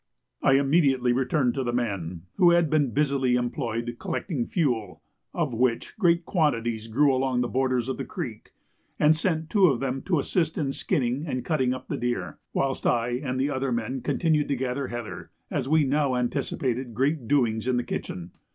I immediately returned to the men, who had been busily employed collecting fuel, of which great quantities grew along the borders of the creek, and sent two of them to assist in skinning and cutting up the deer, whilst I and the other men continued to gather heather, as we now anticipated great doings in the kitchen.